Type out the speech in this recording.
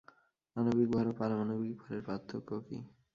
আণবিক ভর ও পারমাণবিক ভরের পার্থক্য কী?